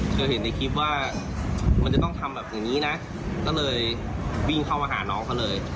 เธอเห็นในคลิปว่ามันจะต้องทำแบบอย่างนี้นะก็เลยวิ่งเข้ามาหาน้องเขาเลย